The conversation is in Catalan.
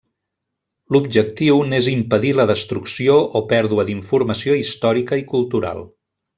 L'objectiu n'és impedir la destrucció o pèrdua d'informació històrica i cultural.